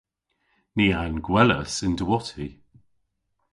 Ni a'n gwelas y'n diwotti.